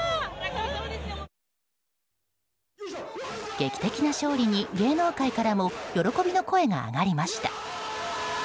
劇的な勝利に芸能界からも喜びの声が上がりました。